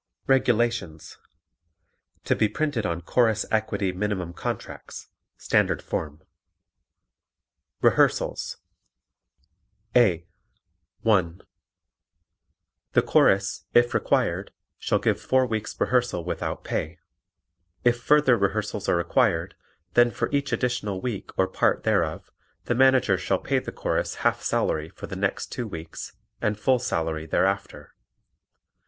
REGULATIONS (To be printed on Chorus Equity Minimum Contracts, Standard Form) Rehearsals A. (1) The Chorus, if required, shall give four weeks' rehearsal without pay; if further rehearsals are required then for each additional week or part thereof the Manager shall pay the Chorus half salary for the next two weeks and full salary thereafter.